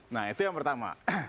nah itu yang pertama